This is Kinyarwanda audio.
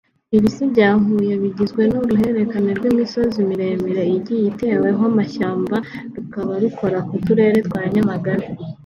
Ibisi bya Huye bigizwe n’uruhererekane rw’imisozi miremire igiye iteweho amashyamba rukaba rukora ku Turere twa Nyamagabe